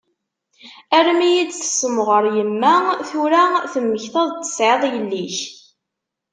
Armi iyi-d-tessemɣer yemma tura temmektaḍ-d tesɛiḍ yelli-k?